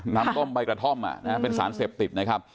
น้ำต้มใบกระท่อมเป็นสารเสพติดนะครับ